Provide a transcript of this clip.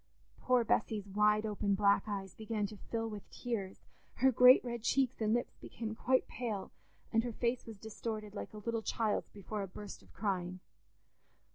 '" Poor Bessy's wide open black eyes began to fill with tears, her great red cheeks and lips became quite pale, and her face was distorted like a little child's before a burst of crying.